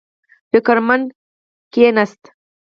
فکر مند کېناست.